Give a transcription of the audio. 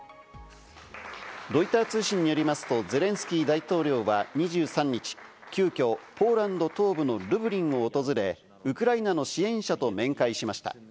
ロイター通信によりますとゼレンスキー大統領は２３日、急きょポーランド東部のルブリンを訪れ、ウクライナの支援者と面会しました。